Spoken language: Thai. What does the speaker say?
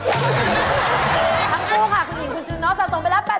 ทั้งกูค่ะคุณอิงคุณจุนน้องสะสมไปแล้ว๘๐๐๐บาท